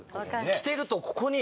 着てるとここに。